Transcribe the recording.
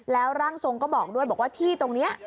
แล้วร่างทรงก็บอกด้วยบอกว่าที่ตรงนี้